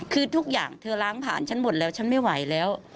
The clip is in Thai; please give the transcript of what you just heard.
คือทุกอย่างเธอล้างผ่านฉันหมดแล้วฉันไม่ไหวแล้ว